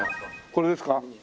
これですか？